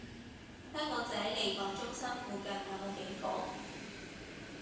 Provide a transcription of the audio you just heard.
香港仔利港中心附近有無警局？